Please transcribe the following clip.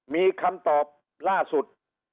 มีคำตอบล่าสุด